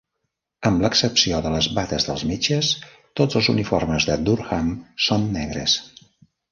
Amb l'excepció de les bates dels metges, tots els uniformes de Durham són negres.